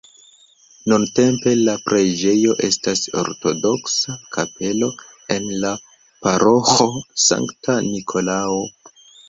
Nuntempe la preĝejo estas ortodoksa kapelo en la paroĥo Sankta Nikolao.